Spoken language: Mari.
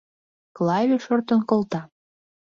Клавий шортын колта.